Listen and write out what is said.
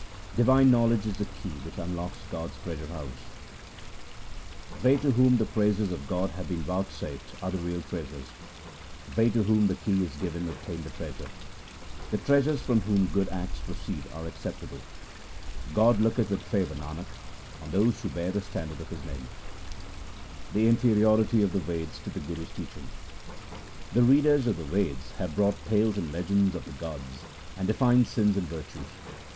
Divine knowledge is the key which unlocks God's treasure house :— They to whom the praises of God have been vouchsafed are the real treasures ; They to whom the key is given obtain the treasure. The treasurers from whom good acts proceed are accept able ; God looketh with favour, Nanak, on those who bear the standard of His name. SLOKS OF GURU ANGAD 55 The inferiority of the Veds to the Guru's teach ing — The readers of the Veds have brought tales and legends of the gods, and defined sins and virtues.